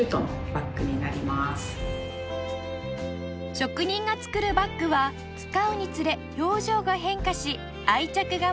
職人が作るバッグは使うにつれ表情が変化し愛着が増していきます